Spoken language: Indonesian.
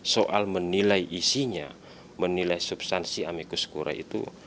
soal menilai isinya menilai substansi amekus kura itu